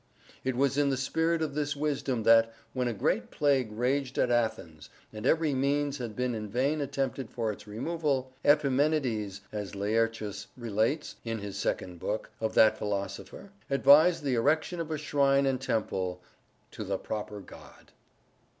It was in the spirit of this wisdom that, when a great plague raged at Athens, and every means had been in vain attempted for its removal, Epimenides, as Laërtius relates, in his second book, of that philosopher, advised the erection of a shrine and temple "to the proper God."